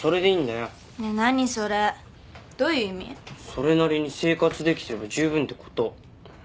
それなりに生活できてればじゅうぶんってこと。